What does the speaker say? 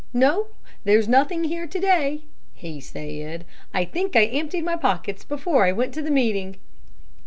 "No; there's nothing here to day," he said; "I think I emptied my pockets before I went to the meeting."